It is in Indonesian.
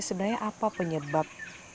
sebenarnya apa penyebabnya